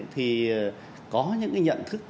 thì có những cái nhận thức